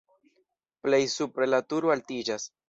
Plej supre la turo altiĝas.